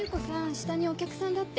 下にお客さんだって。